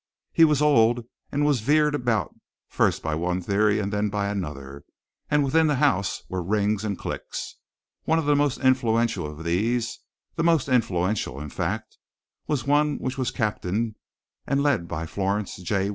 He was old and was veered about first by one theory and then by another, and within the house were rings and cliques. One of the most influential of these the most influential, in fact was one which was captained and led by Florence J.